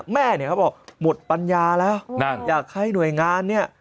แม่เนี่ยเขาบอกหมดปัญญาแล้วอยากให้หน่วยงานเนี่ย